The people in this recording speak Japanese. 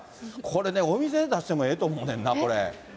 これね、お店で出してもええと思うねんな、これ。